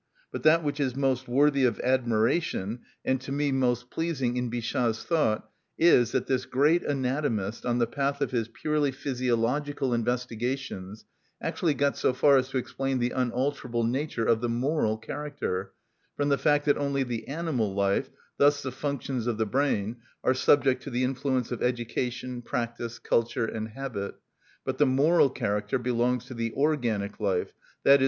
But that which is most worthy of admiration, and to me most pleasing, in Bichat's thought is, that this great anatomist, on the path of his purely physiological investigations, actually got so far as to explain the unalterable nature of the moral character from the fact that only the animal life, thus the functions of the brain, are subject to the influence of education, practice, culture, and habit, but the moral character belongs to the organic life, _i.e.